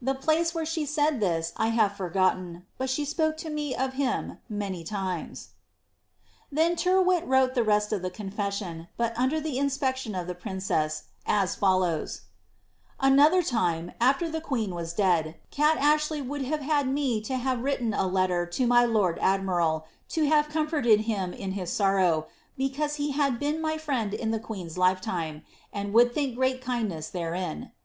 The place where she said this I have forgotten, but she spoke to me of him many times.*' * Haynes* State Papers, 90. ■ LIIABBTR. TlieD Tjrwhil wrote the rest of the confenion, bat under the intpeo* lioii of the princeae, as follows :— "AooUmt time, after the qaeen was dead, Kat Afhley would hare had me to hare written a Jetter to my lord admiral to have comforted him in his lorruw, becanee he bad been my friend in the queen's lifetime, and would think great kindoeM therein.